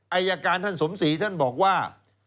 อายการท่านสมศรีท่านบอกว่า